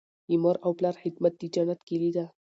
د مور او پلار خدمت د جنت کیلي ده.